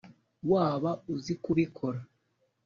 Waba uzi kubikora